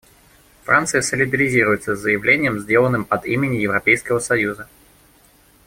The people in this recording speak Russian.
Франция солидаризируется с заявлением, сделанным от имени Европейского союза.